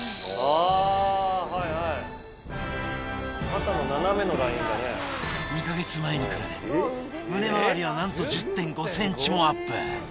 肩の斜めのラインがね２か月前に比べ胸回りはなんと１０．５ｃｍもアップ